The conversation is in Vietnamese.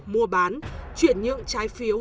mua bán chuyển nhượng trái phiếu